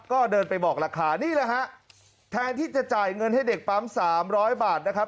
ก็เดินไปบอกราคานี่แหละฮะแทนที่จะจ่ายเงินให้เด็กปั๊ม๓๐๐บาทนะครับ